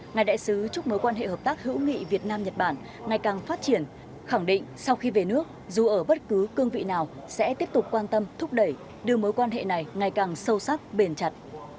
ngài đại sứ chúc mối quan hệ hợp tác hữu nghị việt nam nhật bản ngày càng phát triển khẳng định sau khi về nước dù ở bất cứ cương vị nào sẽ tiếp tục quan tâm thúc đẩy đưa mối quan hệ này ngày càng sâu sắc bền chặt